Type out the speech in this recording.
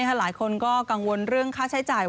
หลายคนก็กังวลเรื่องค่าใช้จ่าย